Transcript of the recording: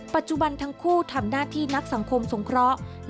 ปัจจุบันทั้งคู่ทำหน้าที่นักสังคมสงเคราะห์